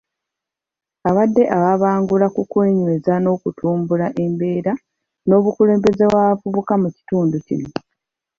Abadde ababangula ku kunyweza n'okutumbula embeera n'obukulembeze bw'abavubuka mu kitundu kino.